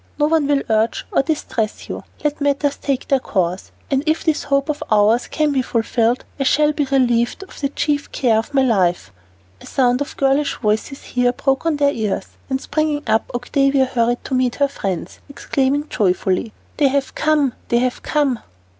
No one will urge or distress you. Let matters take their course, and if this hope of ours can be fulfilled, I shall be relieved of the chief care of my life." A sound of girlish voices here broke on their ears, and springing up, Octavia hurried to meet her friends, exclaiming joyfully, "They have come! they have come!"